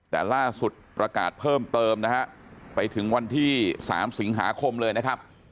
แต่ล่าสุดประกาศเพิ่มเติมนะฮะไปถึงวันที่๓สิงหาคมเลยนะครับ